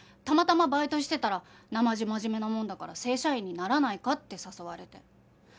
たまたまバイトしてたらなまじ真面目なもんだから正社員にならないかって誘われて。